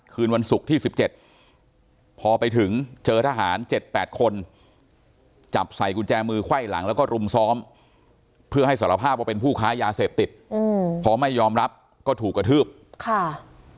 คืนวันศุกร์ที่สิบเจ็ดพอไปถึงเจอทหารเจ็ดแปดคน